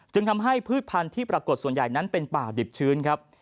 จึงทำให้พืชพันธุ์ที่ปรากฏส่วนใหญ่นั้นเป็นป่าดิบชื้นครับ